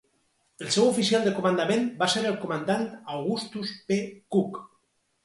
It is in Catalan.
El seu oficial de comandament va ser el comandant Augustus P. Cooke.